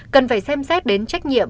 cần phải xem xét đến trách nhiệm